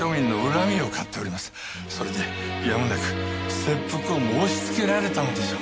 それでやむなく切腹を申し付けられたのでしょう。